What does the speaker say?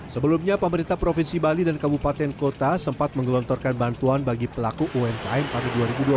sebelumnya pemerintah provinsi bali dan kabupaten kota sempat menggelontorkan bantuan bagi pelaku umkm pada dua ribu dua puluh